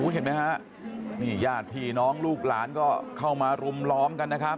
เห็นไหมฮะนี่ญาติพี่น้องลูกหลานก็เข้ามารุมล้อมกันนะครับ